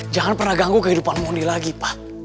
jangan pernah ganggu kehidupan mondi lagi pak